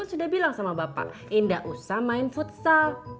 saya sudah bilang sama bapak indah usah main futsal